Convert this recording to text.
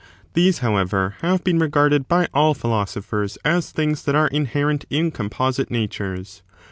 These, however, have been regarded by all philosophy's as things that are inherent in composite natures.